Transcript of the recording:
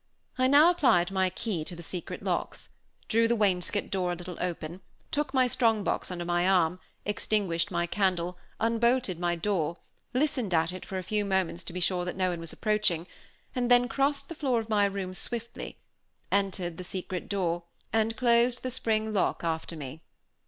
I now applied my key to the secret locks; drew the wainscot door a little open, took my strong box under my arm, extinguished my candle, unbolted my door, listened at it for a few moments to be sure that no one was approaching, and then crossed the floor of my room swiftly, entered the secret door, and closed the spring lock after me.